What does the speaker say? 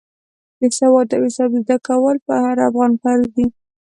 د سواد او حساب زده کول پر هر افغان فرض دی.